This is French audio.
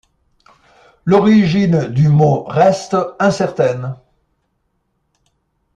L'origine du mot reste incertaine.